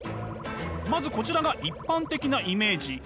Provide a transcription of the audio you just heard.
まずこちらが一般的なイメージ。